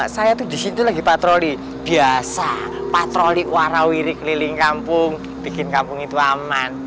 saya tuh disitu lagi patroli biasa patroli warawiri keliling kampung bikin kampung itu aman